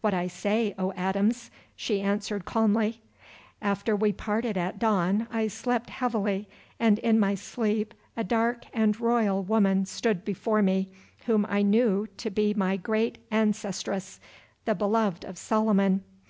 "What I say, O Adams," she answered calmly. "After we parted at dawn I slept heavily, and in my sleep a dark and royal woman stood before me whom I knew to be my great ancestress, the beloved of Solomon.